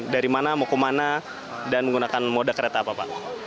dari mana mau ke mana dan menggunakan mode kereta apa pak